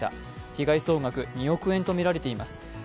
被害総額２億円とみられています。